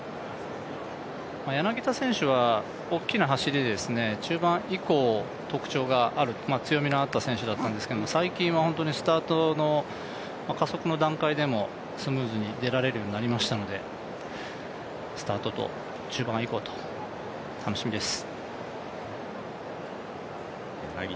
柳田選手は大きな走りで中盤以降、特徴がある、強みのあった選手だったんですけれども、最近は本当にスタートの加速の段階でも、スムーズに出られるようになりましたので、スタートと中盤以降と楽しみです。